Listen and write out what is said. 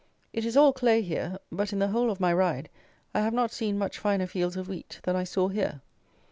It is all clay here; but in the whole of my ride I have not seen much finer fields of wheat than I saw here.